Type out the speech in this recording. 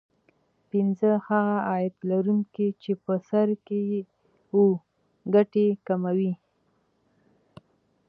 پینځه هغه عاید لرونکي چې په سر کې وو ګټې کموي